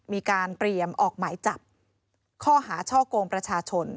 มีการเตรียมออกหมายจับข้อหาช่อกงประชาชน